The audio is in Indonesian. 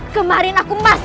kemarin aku masih menghormati